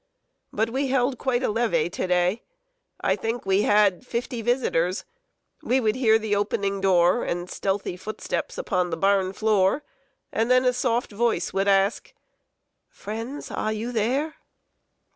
But we held quite a levée to day. I think we had fifty visitors. We would hear the opening door and stealthy footsteps upon the barn floor; then a soft voice would ask: "Friends, are you there?"